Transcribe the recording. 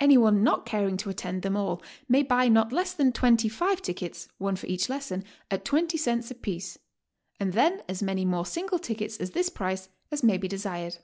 Any one not caring to attend them all may buy not less than 25 tickets (one for each lesson) at 20 cents apiece, and then as many more single tickets at this price as may be desired.